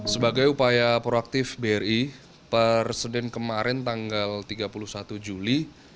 sebagai upaya proaktif bri perseden kemarin tanggal tiga puluh satu juli